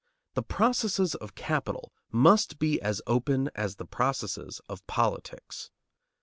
The processes of capital must be as open as the processes of politics.